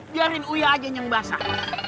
biarin uya aja yang basah